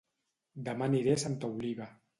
Dema aniré a Santa Oliva